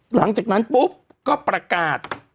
หลังจากนั้นปุ๊บก็ประกาศ